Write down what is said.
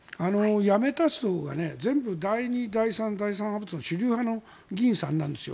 辞めた人が全部第２、第３派閥の主流派の議員さんなんですよ。